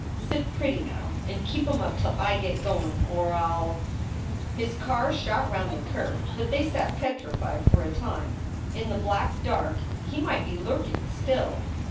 "Sit pretty now and keep em up till I git goin or I ll " His car shot round the curve, but they sat petrified for a time. In the black dark he might be lurking still.